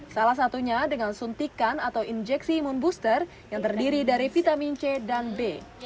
salah satunya dengan suntikan atau injeksi imun booster yang terdiri dari vitamin c dan b